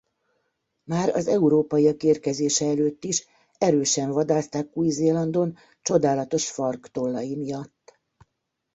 Már az európaiak érkezése előtt is erősen vadászták Új-Zélandon csodálatos farktollai miatt.